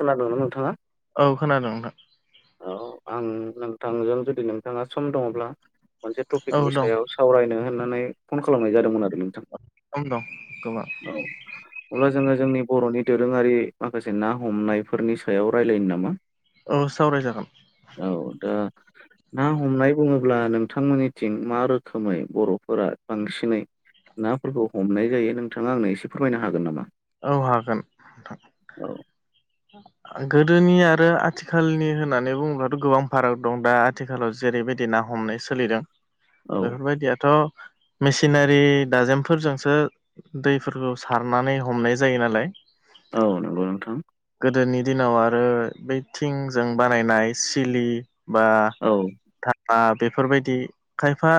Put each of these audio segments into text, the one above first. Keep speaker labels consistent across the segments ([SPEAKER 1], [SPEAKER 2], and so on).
[SPEAKER 1] खोनादोंना नोंथाङा?
[SPEAKER 2] औ खोनादों नोंथां।
[SPEAKER 1] औ आं नोंथांजों जुदि नोंथाङा सम दङब्ला मोनसे
[SPEAKER 2] औ
[SPEAKER 1] टपिकनि
[SPEAKER 2] दं
[SPEAKER 1] सायाव सावरायनो होननानै फन खालामनाय जादोंमोन आरो नोंथां।
[SPEAKER 2] सम दं गोबां।
[SPEAKER 1] औ। अब्ला जोङो जोंनि बर'नि दोरोङारि माखासे ना हमनायफोरनि सायाव रायलायनो नामा?
[SPEAKER 2] औ सावरायजागोन।
[SPEAKER 1] औ दा ना हमनाय बुङोब्ला नोंथांमोननिथिं मा रोखोमै बर'फोरा बांसिनै नाफोरखौ हमनाय जायो नोंथाङा आंनो एसे फोरमायनो हागोन नामा?
[SPEAKER 2] औ हागोन
[SPEAKER 1] औ
[SPEAKER 2] नोंथां। गोदोनि आरो आथिखालनि होननानै बुङोबाथ' गोबां फाराग दं दा आथिखालाव जेरैबायदि ना हमनाय सोलिदों
[SPEAKER 1] औ
[SPEAKER 2] बेफोरबायदियाथ' मेसिनारि दाजेमफोरजोंसो दैफोरखौ सारनानै हमनाय जायो नालाय।
[SPEAKER 1] औ नंगौ नोंथां।
[SPEAKER 2] गोदोनि दिनाव आरो बै थिंजों बानायनाय सिलि बा
[SPEAKER 1] औ
[SPEAKER 2] दा बेफोरबायदि खायफा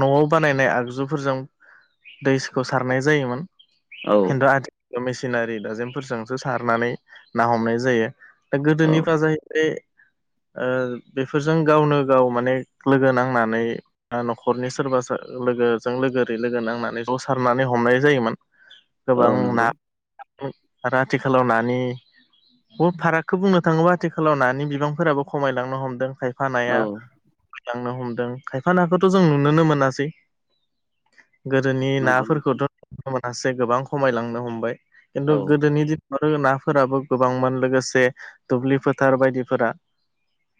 [SPEAKER 2] न'आव बानायनाय आगजुफोरजों दैखौ सारनाय जायोमोन
[SPEAKER 1] औ
[SPEAKER 2] खिन्थु आथिखाल मेसिनारि दाजिमफोरजोंसो सारनानै ना हमनाय जायो। दा
[SPEAKER 1] औ
[SPEAKER 2] गोदोनिफ्रा जाहैबाय ओ बेफोरजों गावनो गाव माने लोगो नांनानै न'खरनि सोरबा लोगोजों लोग ओरि लोगो नांनानै ज सारनानै हमनाय जायोमोन
[SPEAKER 1] [inaudible]
[SPEAKER 2] गोबां ना
[SPEAKER 1] नंगौ
[SPEAKER 2] आरो आथिखालाव नानि फारागखौ बुंनो थाङोबा आथिखालाव नानि बिबांफोराबो खमायलांनो हमदों खाय
[SPEAKER 1] औ
[SPEAKER 2] खायफानायानो हमदों खायफानायाखौथ' जों नुुनोनो मोनासै। गोदोनि
[SPEAKER 1] नंगौ नोंथां
[SPEAKER 2] नाफोरखौथ' नुनो मोनासै गोबां खमायलांनो हमबाय खिन्थु
[SPEAKER 1] औ
[SPEAKER 2] जोंनि दिनाव आरो नाफोराबो गोबांमोन लोगोसे दुब्लि फोथार बायदिफोरा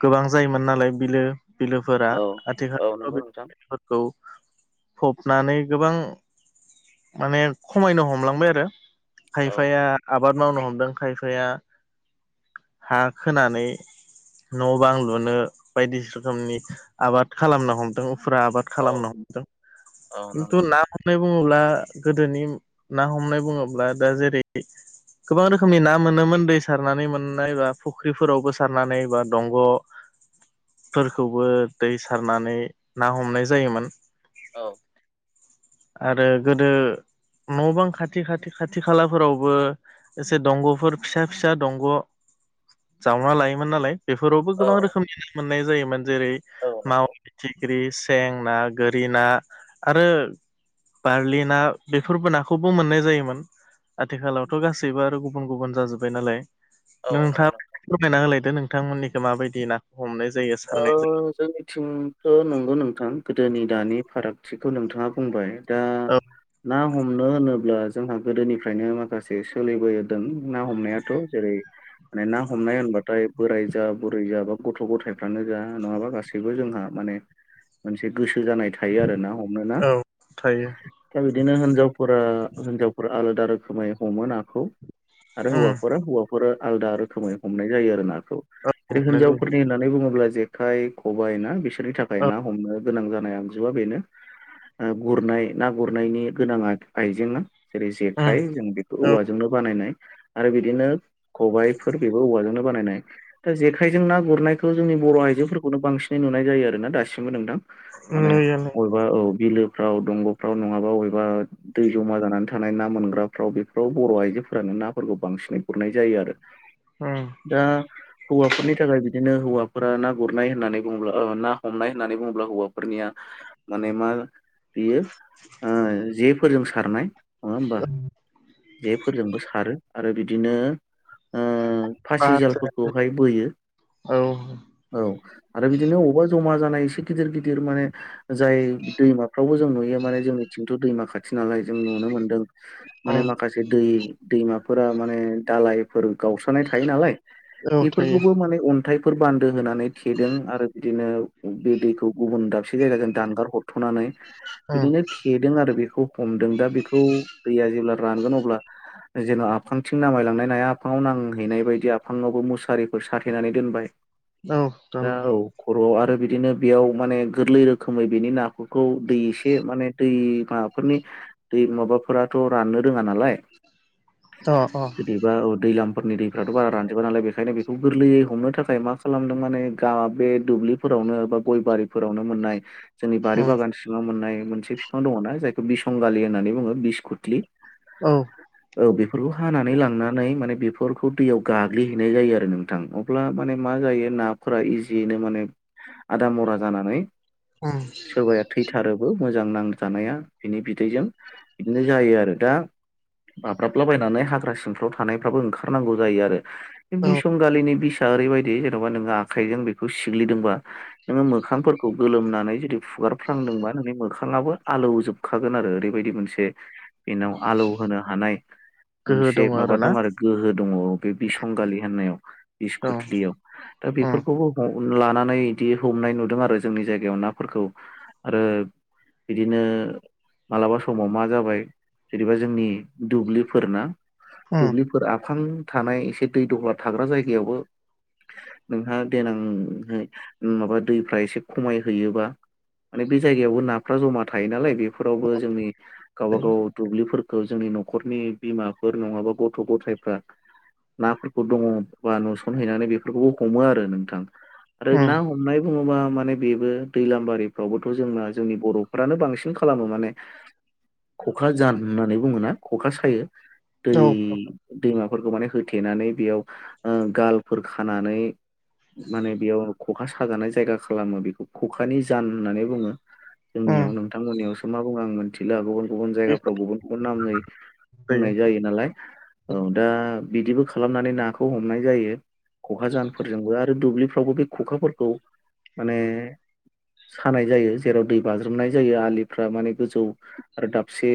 [SPEAKER 2] गोबां जायोमोन नालाय बिलो बिलोफोरा
[SPEAKER 1] औ औ नंगौ
[SPEAKER 2] आथिखाल
[SPEAKER 1] नोंथां
[SPEAKER 2] खौ फबनानै गोबां माने खमायनो हमलांबाय आरो
[SPEAKER 1] औ
[SPEAKER 2] खायाया आबाद मावनो हमदों खायफाया हा खोनानै न' बां लुनो बायदिसि रोखोमनि आबाद खालामनो हमदों उफुर्रा आबाद
[SPEAKER 1] औ
[SPEAKER 2] न
[SPEAKER 1] औ
[SPEAKER 2] खथु
[SPEAKER 1] नंगौ
[SPEAKER 2] नाम हमनाय बुङोब्ला गोदोनि ना हमनाय बुङोब्ला दा जेरै गोबां रोखोमनि ना मोनोमोन दै सारनानै मोननाय बा फुख्रिफोरावबो सारनानै बबा दंग'
[SPEAKER 1] [inaudible]
[SPEAKER 2] फोरखौबो दै सारनानै ना हमनाय जायोमोन।
[SPEAKER 1] औ
[SPEAKER 2] आरो गोदो न' बां खाथि खाथि खाथि खाला फोरावबो एसे दंग'फोर फिसा फिसा दंग' जावना लायोमोन नालाय बेफोरावबो
[SPEAKER 1] औ
[SPEAKER 2] गोबां रोखोमनि मोननाय जायोमोन जेरै
[SPEAKER 1] औ
[SPEAKER 2] माव
[SPEAKER 1] नंगौ
[SPEAKER 2] फिथिख्रि सें ना गोरि ना आरो बारलि ना बेफोरबो नाखौबो मोननाय जायोमोन आथिखालावथ' गासैबो आरो गुबुन गुबुन जाजोब्बाय नालाय
[SPEAKER 1] औ नंगौ
[SPEAKER 2] नोंथां
[SPEAKER 1] नों
[SPEAKER 2] फोरमायना होलायदो नोंथांमोननिखौो माबायदि ना
[SPEAKER 1] अ जों ंथ' नंगौ नोंथां गोदोनि दानि फारागथिखौ नोंथाङा बुंबाय दा
[SPEAKER 2] औ
[SPEAKER 1] ना हमनो होनोब्ला जोंहा गोदोनिफ्रायनो माखासे सोलिबोदों ना हमनायाथ' जेरै माने ना हमनाय होनबाथाय बोराय जा बुरै जा बा गथ' गथाय ानो जा नङाबा गासैबो जोंहा माने मोनसे गोसो जानायायो थायो आरो ना हमनो ना
[SPEAKER 2] औ थायो
[SPEAKER 1] दा बिदिनो हिनजावफोरा हिनजावफोरा आलादा रोखोमै हमो नाखौ आरो
[SPEAKER 2] उम
[SPEAKER 1] हौवाफोरा हौवाफोरा आलादा रोखोमै हमनाय जायो आरो नाखौ जै
[SPEAKER 2] हमनाय जायो
[SPEAKER 1] हिनजावफोरनि होननानै बुङो अब्ला जेखाय खबाइ ना बिसोरनि थाखाय
[SPEAKER 2] औ
[SPEAKER 1] ना हमनो गोनां जानाय आगजुआ बेनो गुरनाय ना गुरनायनि गोनां आइजेंआ सेर स खाय
[SPEAKER 2] उम
[SPEAKER 1] जम औवाजोंनो बानायनाय आरो बिदिनो खबाइफोर बेबो औवाजोंनो बानायनाय दा जेखायजों ना गुरनायखौ जोंनि बर' आइजोफोरखौनो बांसिनै नुनाय जायो आरोना दासिमबो नोंथां
[SPEAKER 2] औ
[SPEAKER 1] माने
[SPEAKER 2] नुयो नु
[SPEAKER 1] बबा औ बिलोफ्राव दंग'फ्राव नङाबा बबेबा दै जमा जानानै थानाय ना मोनग्राफ्राव बेफोराव बर' आइजोफोरानो नाफोरखौ बांसिनै गुरनाय जायो आरो [inaudible]
[SPEAKER 2] उम
[SPEAKER 1] दा हौवाफोरनि थाखाय बिदिनो हौवा ओ ना' गुरनाय होननानै बुङोब्ला ओ ना' हमनाय होननानै बुङोब्ला हौवाफोरनिया माने मा बियो ओ जेफोरजों सारनाय नङा होमबा। जेफोरजोंबो सारो आरो बिदिनो ओ फासि
[SPEAKER 2] आसा
[SPEAKER 1] जालफोरखौहाय बोयो
[SPEAKER 2] [inaudible] औ।
[SPEAKER 1] औ आरो बिदिनो अबावबा जमा जानाय एसे गिदिर गिदिर माने जाय दैमाफ्रावबो जों नुयो माने जोंनिथिंथ' दैमा खाथि थिनालाय जों नुनो मोनदों माने
[SPEAKER 2] उम
[SPEAKER 1] माखासे दै दैमाफोरा माने दालाय गावस्रनाय थायो नालाय
[SPEAKER 2] औ थायो
[SPEAKER 1] बेफोरखौबो माने बेफोर बान्दो होनानै थेदों आरो बिदिनो बे दैखौ गुब दसे बिदिनो जों दानगार हरथ'नानै
[SPEAKER 2] उम
[SPEAKER 1] बिदिनो थेदों आरो बेखौ हमदों दा बेखौ दैया जेब्ला रानगोन अब्ला जेन' आफांथिं नामायलांनाय नाया आफाङाव नांहैनाय बायदि आफाङावबो मुसारिफोर साथेनानै दोनबाय।
[SPEAKER 2] औ।
[SPEAKER 1] दा
[SPEAKER 2] दङ अ
[SPEAKER 1] औ खर'आव आरो बिदिनो बेयाव माने गोरलै रोखोमै बेनि ना खौ दै एसे माने दै माफोरनि दै माबाफोराथ' राननो रोङा नालाय।
[SPEAKER 2] अ अ‌।
[SPEAKER 1] जदिबाओ दैलामफोरनि दैफ्राथ' बारा रानजोबा नालाय बेखायनो बेखौ गोरलैयै हमनो थाखाय मा मा खालामदों माने गा बे दुब्लिफोरावनो बा गय' बारिफोरावनो मोननाय जोंनि बारि
[SPEAKER 2] उम
[SPEAKER 1] बागान सिंआव मोननाय मोनसे बिफां दङना जायखौ बिसंगालि होननानै बुङो बिसकुथ्लि
[SPEAKER 2] औ
[SPEAKER 1] औ बेफोरखौ हानानै लांनानै माने बेफोरखौ दैयाव गाग्लिहैनाय जायो आरो नोंथां अब्ला माने मा जायो नाफोरा इजियैनो माने आदा मरा जानानै
[SPEAKER 2] उम
[SPEAKER 1] सोरबाया थैथारोबो मोजां नांजानाया बिनि बिदैजों बिदिनो जायो आरो। दा बाब्राबलाबायनानै हाग्रा सिंफ्राव थानायफ्राबो ओंखारनांगौ जायो आरो। बे
[SPEAKER 2] औ
[SPEAKER 1] बिसं गालिनि बिसा ओरैबायदि जेन'बा नोङो आखाइजों बेखौ सिग्लिदोंबा नोङो मोखांफोरखौ गोलोमनानै जुदि फुगारफ्रांदोंबा नोंनि मोखाङाबो आलौजोब खागोन आरो ओरैबायदि मोनसे बेनाव आलौ होनो हानाय
[SPEAKER 2] गोहो
[SPEAKER 1] मोनसे
[SPEAKER 2] दङ
[SPEAKER 1] माबा
[SPEAKER 2] ना
[SPEAKER 1] दं आरो गोहो दङ बे बिसंगालि होननायाव
[SPEAKER 2] औ
[SPEAKER 1] बिसकुथलियाव। दा
[SPEAKER 2] उम
[SPEAKER 1] बेफोरखौबो हम लानानै इदि हमनाय नुदों आरो जोंनि जायगायाव नाफोरखौ। आरो बिदिनो मालाबा समाव मा जाबाय जेनेबा जोंनि दुब्लिफोरना
[SPEAKER 2] उम
[SPEAKER 1] दुब्लिफोर आफां थानाय एसे दै दहला थाग्रा जायगायावबो नोंहा देनांहाय माबा दैफ्रा एसे खमायहैयोबा माने बे जायगायावबो नाफ्रा ज'मा थायो नालाय बेफोरावबो जोंनि गावबा गाव दुब्लिफोरखौ जोंनि न'खरनि बिमाफोर नङाबा गथ' गथायफ्रा नाफोरखौ दङ बा नुसनहैनानै बेफोरखौबो हमो आरो नोंथां। आरो
[SPEAKER 2] उम
[SPEAKER 1] ना हमनाय बुङोबा माने बेबो दैलामबारिफ्रावबोथ' जोंना जोंनि बर'फ्रानो बांसिन खालामो माने। ख'खा जान होननानै बुङोना ख'खा सायो। दै
[SPEAKER 2] औ
[SPEAKER 1] दैमाफोरखौ माने होथेनानै बेयाव ओ गालफोर खानानै माने बेयाव ख'खा साजानाय जायगा खालामो बेखौ ख'खानि जान होननानै बुङो
[SPEAKER 2] उम
[SPEAKER 1] जोंनियाव। नोंथांमोननियावसो मा बुङो आं मि थिला गुबुन गुबुन
[SPEAKER 2] बेखौ
[SPEAKER 1] जायगाफ्राव गुबुन गुबुन नामै बुंनाय जायो नालाय। औ' दा बिदिबो खालामनानै नाखौ हमनाय जायो। ख'खा जाहानफोरजोंबो आरो दुब्लिफ्रावबो बे ख'खाफोरखौ माने सानाय जायो। जेराव दै बाज्रोमनाय जायो आलिफ्रा माने गोजौ आरो दाबसे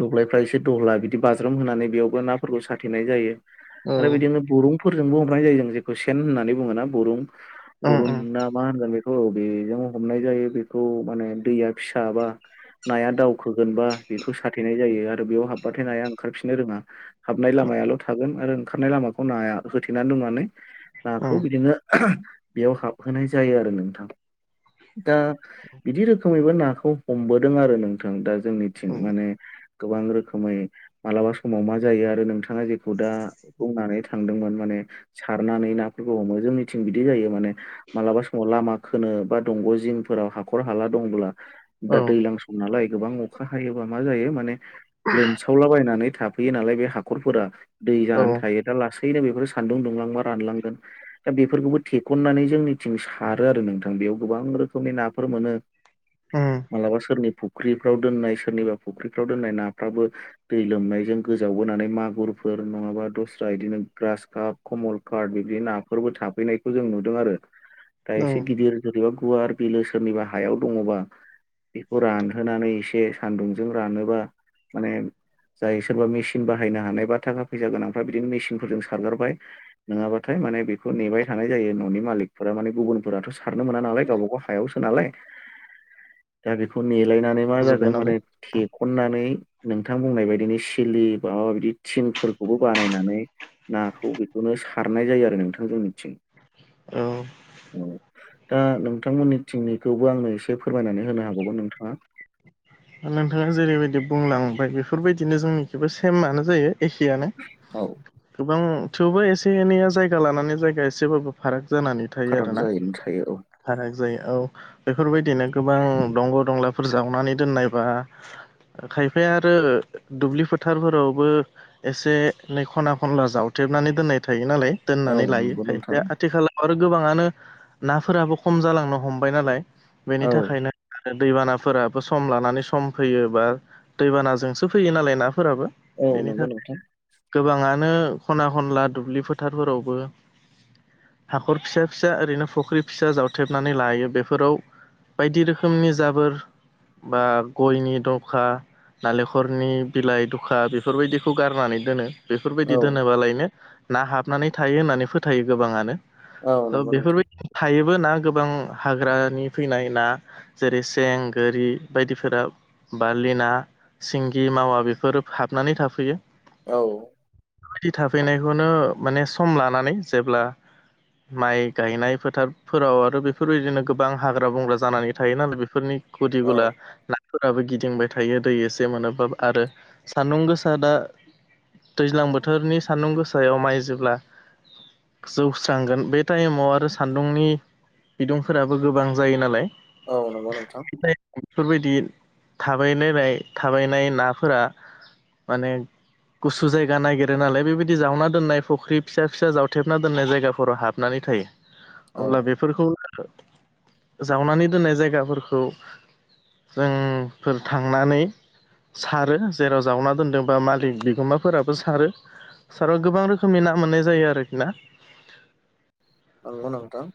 [SPEAKER 1] दब्लायफ्रा एसे दहला बिदि बाज्रोम होनानै बेयावबो नाफोरखौ साथेनाय जायो।
[SPEAKER 2] औ
[SPEAKER 1] आरो बिदिनो बरुंफोरजोंबो हमनाय जायो जों जेखौ सेन होननानै बुङोना बरुं।
[SPEAKER 2] उम
[SPEAKER 1] अरुन
[SPEAKER 2] उम
[SPEAKER 1] ना मा होनगोन बेखौ बेेजों हमनाय जायो बेखौ माने दैया फिसाबा नाया दावखोगोनबा बेखौ साथेनाय जायो आरो बेयाव हाबबाथाय नाया ओंखारफिननो रोङा। हाबनाय लामायाल' थागोन आरो ओंखारनाय लामाखौ नाया होथे नानै दोननानै नाखौ
[SPEAKER 2] उम
[SPEAKER 1] बिदिनो बेयाव हाबहोनाय जायो आरो नोंथां दा बिदि रोखोमैबो नाखौ हमबोदों आरो नोंथां दा जोंनिथिं माने गोबां रोखोमै मालाबा समाव मा जायो आरो नोंथाङा जेखौ दा बुंनानै थांदोंमोन माने सारनानै नाफोरखौ हमो जोंनिथिं बिदि जायो माने। मालाबा स'माव लामा खोनो बा दंग' जिंफोराव हाखर- हाला दंब्ला दा
[SPEAKER 2] औ
[SPEAKER 1] दैज्लां सम नालाय गोबां अखा हायोबा मा जायो माने लोमसावला बायनानै थाब हैयो नालाय बे हाखरफोरा दै जानानै
[SPEAKER 2] औ
[SPEAKER 1] थायो दा लासैनो बेफोर सान्दुं दुंलांबा रानलांगोन बे दा बेफोरखौबो थेखननानै जोंनिथिं सारो आरो नोंथां बेयाव गोबां रोखोमनि नाफोर मोनो। [unintelligible]
[SPEAKER 2] होम
[SPEAKER 1] मालाबा सोरनि फुख्रिफ्राव दोननाय सोरनिबा फुख्रिफ्राव दोननाय नाफ्राबो दै लोमनायजों गोजावबोनानै मागुरफोर नङाबा दस्रा बिदिनो ग्रास काप कमल करद बिबदि नाफोरबो थाफैनायखौ जों नुदों आरो दा
[SPEAKER 2] औ
[SPEAKER 1] एसे गिदिर जेरैबा गुवार बिलो सोरनिबा हायाव दङबा बेखौ रानहोनानै एसे सान्दुंजों रानोबा माने जाय सोरबा मेसिन बाहायनो हानाय बा थाखा फैसा गोनांफ्रा बिदिनो मेसिनफोरजों सारगारबाय नङाबाथाय माने बेखौ नेबाय थानाय जायो न'नि मालिकफोरा माने गुबुनफोराथ' सारनो मोना नालाय गावबागाव हायावसो नालाय दा बेखौ नेलायनानै मा
[SPEAKER 2] जाजोब्बाय
[SPEAKER 1] जागोन
[SPEAKER 2] नालाय
[SPEAKER 1] माने थेखननानै नोंथां बुंनाय बायदिनो सिलि माबा बिदि थिं फोरखौबो बानायनानै नाखौ बेखौनो सारनाय जायो आरो नोंथां जोंनिथिं
[SPEAKER 2] औ
[SPEAKER 1] औ दा नोंथांमोननि थिंनिखौबो आंनो एसे फोरमायनानै होनो हाबावगोन नोंथाङा
[SPEAKER 2] नोंथाङा जेरैबायदि बुंलांबाय बेफोरबायदिनो जोंनिखिबो सेमआनो जायो एखेयानो
[SPEAKER 1] औ
[SPEAKER 2] गोबां थेवबो एसे एनैया जायगा लानानै जायगा एसेबाबो फाराग जानानै थायो
[SPEAKER 1] फाराग
[SPEAKER 2] आरोना
[SPEAKER 1] जायैनो थायो औ
[SPEAKER 2] फाराग जायो औ बेफोरबायदिनो गोबां दंग' दंला फोर जावनानै दोननायबा खायफाया आरो दुब्लि फोथार‌ फोरावबो एसे एनै खना खनला जावथेबनानै दोननाय थायो नालाय
[SPEAKER 1] औ
[SPEAKER 2] दोननानै लायो
[SPEAKER 1] नंगौ नोंथां
[SPEAKER 2] खायफाया आथिखालाव आरो गोबाङानो नाफोराबो खम जालांनो हमबाय नालाय बेनि
[SPEAKER 1] औ
[SPEAKER 2] थाखायनो आरो दैबानाफोराबो सम लानानै सम फैयो बा दैबानाजोंसो फैयो नालाय नाफोराबो
[SPEAKER 1] औ
[SPEAKER 2] बेनि
[SPEAKER 1] नंगौ
[SPEAKER 2] थाखाय
[SPEAKER 1] नोंथां
[SPEAKER 2] गोबाङानो खना खनला दुब्लि फोथारफोरावबो हाखर फिसा फिसा ओरैनो फुख्रि फिसा जावथेबनानै लायो बेफोराव बायदि रोखोमनि जाबोर बा गयनि दखा नालेंखरनि बिलाइ दुखा बेफोरबायदिखौ गारनानै दोनो बेफोरबायदि
[SPEAKER 1] औ
[SPEAKER 2] दोनोबालायनो ना हाबनानै थायो होननानै फोथायो
[SPEAKER 1] औ
[SPEAKER 2] गोबाङानो
[SPEAKER 1] नंगौ
[SPEAKER 2] बेफोर
[SPEAKER 1] नोंथां
[SPEAKER 2] बायदि थायोबो ना गोबां हाग्रानि फैनाय ना जेरै सें गोरि बायदिफोरा बालिना सिंगि मावा बेफोर हाबनानै थाफैयो
[SPEAKER 1] औ
[SPEAKER 2] बेबायदि थाफैनायखौनो माने सम लानानै जेब्ला माइ गायनाय फोथारफोराव आरो बेफोरबायदिनो गोबां हाग्रा बंग्रा जानानै थायो नालाय बेफोरनि गुदि
[SPEAKER 1] औ
[SPEAKER 2] गुला फोराबो गिदिंबाय थायो दै एसे मोनोब्ला आरो सान्दुं गोसा दा दैज्लां बोथोरनि सान्दुं गोसायाव माइ जोब्ला जौस्रांगोन बे टाइमाव आरो सान्दुंनि बिदुंफोराबो गोबां जायो नालाय
[SPEAKER 1] औ नंगौ नोंथां
[SPEAKER 2] बेफोरबायदि थाबायलायनाय थाबायनाय नाफोरा माने गुसु जायगा नागिरो नालाय बेबायदि जावना दोननाय फुख्रि फिसा फिसा जावथेबना दोननाय जायगाफोराव हाबनानै थायो।
[SPEAKER 1] [inaudible]
[SPEAKER 2] अब्ला बेफोरखौ जावनानै दोननाय जायगाफोरखौ जोंफोर थांनानै सारो जेराव जावना दोन्दों बा मालिक बिगोमाफोराबो सारो साराव गोबां रोखोमनि ना मोननाय जायो आरोखि ना
[SPEAKER 1] नंगौ नोंथां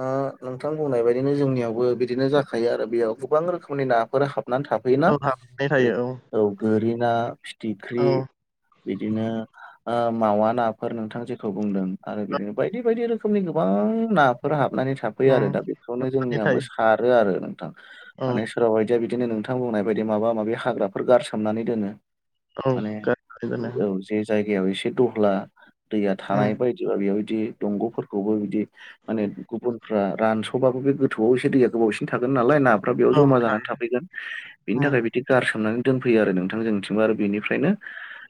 [SPEAKER 1] आ नोंथां बुंनाय बायदिनो जोंनियावबो बिदिनो जाखायो आरो बेयाव गोबां रोखोमनि नाफोर हाबनानै था फैयोना
[SPEAKER 2] औ हाबनानै
[SPEAKER 1] जेरै
[SPEAKER 2] थायो
[SPEAKER 1] औ गोरि ना
[SPEAKER 2] औ
[SPEAKER 1] फिथिख्रि
[SPEAKER 2] उम
[SPEAKER 1] बिदिनो ओ मावा नाफोर नोंथां जेखौ बुंदों आरो बिदिनो बायदि बायदि रोखोम- रोखोमनि गोबां नाफोर हाबनानै था थाफैयो आरो दा बेखौनो
[SPEAKER 2] हाबनानै
[SPEAKER 1] जोंनियाबो
[SPEAKER 2] थायो
[SPEAKER 1] सारो आरो नोंथां
[SPEAKER 2] औ
[SPEAKER 1] माने सोरबा बायदिया बिदिनो नोंथां बुंनाय बायदि माबा माबि हाग्राफोर गारसोमनानै दोनो
[SPEAKER 2] औ
[SPEAKER 1] माने
[SPEAKER 2] गारनानै दोनो
[SPEAKER 1] औ जे जायगायाव एसे दहला दैया
[SPEAKER 2] उम
[SPEAKER 1] थानाय बायदि बेयावदि दंग'फोर खौबो बिदि माने गुबुनफ्रा रानस'बाबो बे गोथौआव एसे दैया गोबावसिन थागोन नालाय ना फ्रा बेयाव
[SPEAKER 2] औ
[SPEAKER 1] जमा जानानै
[SPEAKER 2] थायो
[SPEAKER 1] थाफैगोन बिनि
[SPEAKER 2] उम
[SPEAKER 1] थाखाय बि गारसोमनानै दोनफैयो आरो नोंथां जोंनिथिं आरो बेनिफ्रायनो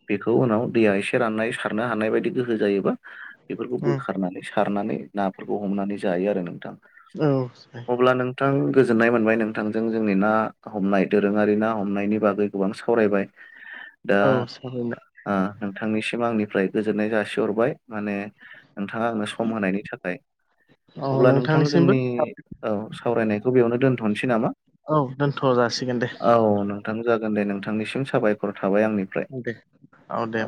[SPEAKER 1] बेखौ उनाव दैया एसे राननाय सारनो हानाय बायदि गोहो जायोबा बेफोरखौ
[SPEAKER 2] उम
[SPEAKER 1] बोखारनानै सारनानै नाफोरखौ हमनानै जायो आरो नोंथां
[SPEAKER 2] औ
[SPEAKER 1] अब्ला नों थां गोजोननाय मोनबाय नोंथांजों जोंनि ना हमनाय दोरोङारि ना हमनायनि बागै गोबां सावरायबाय दा
[SPEAKER 2] औ साबायना
[SPEAKER 1] नोंथांनिसिम आंनिफ्राय गोजोननाय जासिहरबाय माने नोंथाङा आंनो सम होनायनि थाखाय
[SPEAKER 2] औ
[SPEAKER 1] अब्ला नोंथां
[SPEAKER 2] नोंथांनिसिमबो
[SPEAKER 1] जोंनि औ सावरायनायखौ बेयावनो दोनथ'नोसै नामा
[SPEAKER 2] औ दोनथ' जासिगोन दे
[SPEAKER 1] औ नोंथां जागोन दे नोंथांनिसिम साबायखर थाबाय आंनिफ्राय
[SPEAKER 2] औ दे औ दे